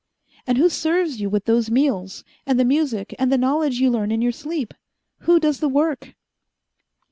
"And who serves you with those meals, and the music, and the knowledge you learn in your sleep? Who does the work?"